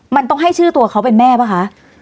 มันต้องให้ชื่อตัวเขาเป็นแม่ป่ะคะ